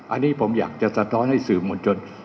อันนี้ผมอยากจะสะท้อนให้สื่อมวลชน